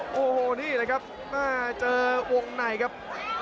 โอ้โหนี่เลยครับมาเจอวงไหนครับ